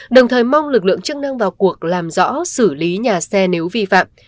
đồng thời mong lực lượng chức năng vào cuộc làm rõ xử lý nhà xe nếu vi phạm